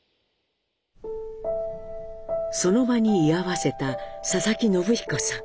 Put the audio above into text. その場に居合わせた佐々木延彦さん。